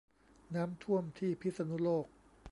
น้ำท่วมที่พิษณุโลก